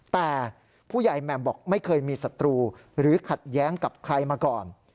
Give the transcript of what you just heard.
แต่ผู้ใหญ่แหม่มบอกไม่เคยมีศัตรูหรือขัดแย้งกับใครมาก่อน